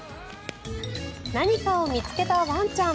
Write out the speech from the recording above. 何かを見つけたワンちゃん。